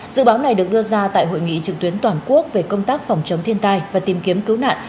dự báo này được đưa ra tại hội nghị trực tuyến toàn quốc về công tác phòng chống thiên tai và tìm kiếm cứu nạn